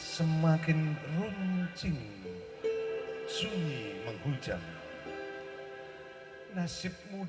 semakin runcing sunyi menghujam